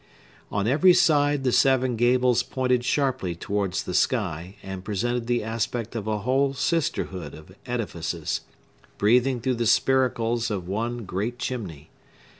On every side the seven gables pointed sharply towards the sky, and presented the aspect of a whole sisterhood of edifices, breathing through the spiracles of one great chimney.